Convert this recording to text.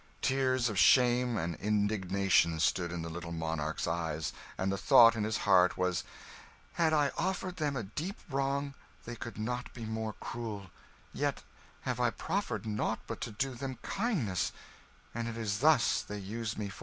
Tears of shame and indignation stood in the little monarch's eyes; and the thought in his heart was, "Had I offered them a deep wrong they could not be more cruel yet have I proffered nought but to do them a kindness and it is thus they use me for it!"